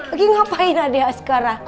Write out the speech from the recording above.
ini ngapain aja sekarang